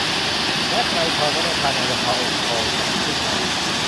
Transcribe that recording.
และไกรทองก็ได้พานางตะเภาทองกลับขึ้นมา